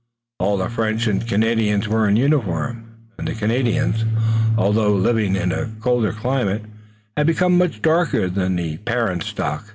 All the French and Canadians were in uniform, and the Canadians, although living in a colder climate, had become much darker than the parent stock.